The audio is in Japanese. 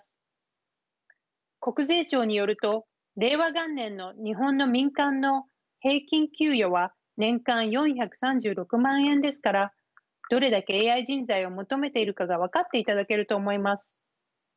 国税庁によると令和元年の日本の民間の平均給与は年間４３６万円ですからどれだけＡＩ人材を求めているかが分かっていただけると思います。